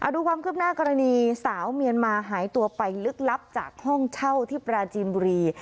ดูความคืบหน้ากรณีสาวเมียนมาหายตัวไปลึกลับจากห้องเช่าที่ปราจีนบุรี